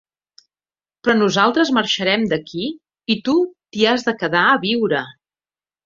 Però nosaltres marxarem d'aquí i tu t'hi has de quedar a viure.